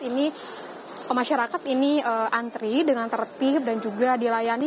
ini masyarakat ini antri dengan tertib dan juga dilayani